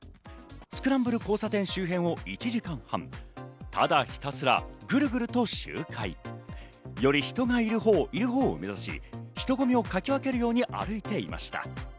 スクランブル交差点周辺を１時間半、ただひたすらグルグルと周回、より人がいるほうを目指し、人ごみをかぎ分けるように歩いていました。